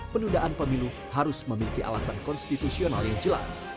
penundaan pemilu harus memiliki alasan konstitusional yang jelas